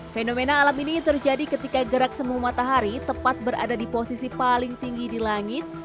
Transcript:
fenomena alam ini terjadi ketika gerak semu matahari tepat berada di posisi paling tinggi di langit